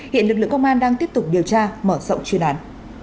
hiện lực lượng công an đang tiếp tục điều tra mở rộng chuyên án